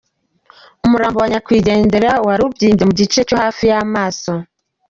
Umurambo wa nyakwigendera wari ubyimbye mu gice cyo hafi y’ amaso.